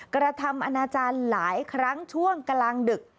กระทำอนาจารย์หลายครั้งช่วงกลางดึก